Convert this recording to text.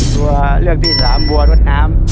ตัวเลือกที่สามบัวรถน้ำ